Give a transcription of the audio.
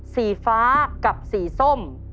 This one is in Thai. สีฟ้ากับสีส้ม